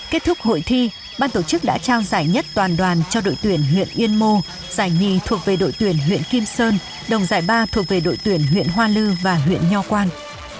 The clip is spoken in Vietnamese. kết thúc hội thi ban tổ chức đã trao giải nhất toàn đoàn cho đội tuyển huyện yên mô giải nhì thuộc về đội tuyển huyện kim sơn đồng giải ba thuộc về đội tuyển huyện hoa lư và huyện nho quang